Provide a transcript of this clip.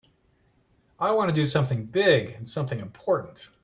I want to do something big and something important.